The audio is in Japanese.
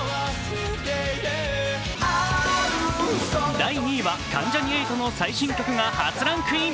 第２位は関ジャニ∞の最新曲が初ランクイン。